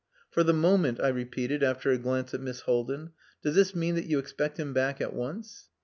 "For the moment," I repeated, after a glance at Miss Haldin. "Does this mean that you expect him back at once?"